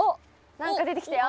なんか出てきたよ！